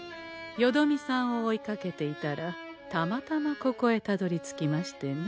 よどみさんを追いかけていたらたまたまここへたどりつきましてね。